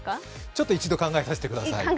ちょっと一度考えさせてください。